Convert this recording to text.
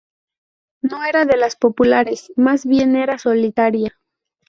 No era de las populares, más bien era solitaria.